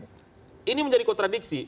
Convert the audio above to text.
kita bisa ikut tradisi